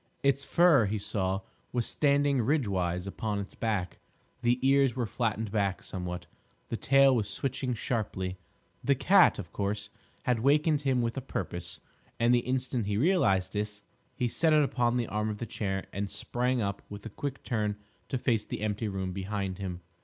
Its fur, he saw, was standing ridgewise upon its back; the ears were flattened back somewhat; the tail was switching sharply. The cat, of course, had wakened him with a purpose, and the instant he realised this, he set it upon the arm of the chair and sprang up with a quick turn to face the empty room behind him.